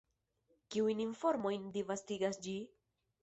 Kiujn informojn disvastigas ĝi?